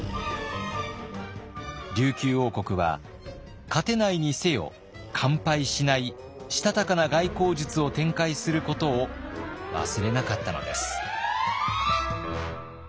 琉球王国は勝てないにせよ完敗しないしたたかな外交術を展開することを忘れなかったのです。